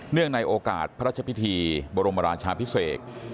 ในโอกาสพระราชพิธีบรมราชาพิเศษ